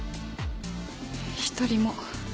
一人も。